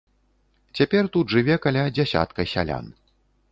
Цяпер тут жыве каля дзясятка сялян.